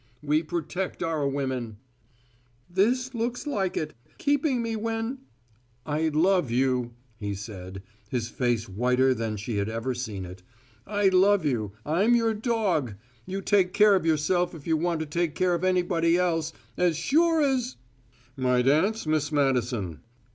We protect our women " "This looks like it! Keeping me when " "I love you," he said, his face whiter than she had ever seen it. "I love you! I'm your dog! You take care of yourself if you want to take care of anybody else! As sure as " "My dance, Miss Madison."